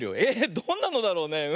えどんなのだろうね？